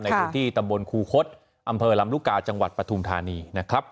อยู่ที่ตำบลคูคศอำเภอลำลูกกาจังหวัดปฐุมธานีนะครับ